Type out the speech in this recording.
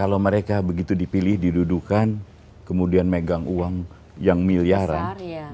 kalau mereka begitu dipilih didudukan kemudian megang uang yang miliaran